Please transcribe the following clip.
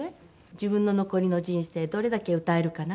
自分の残りの人生どれだけ歌えるかな？